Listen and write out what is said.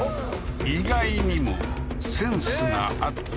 意外にもセンスがあった